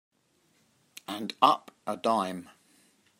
And up a dime.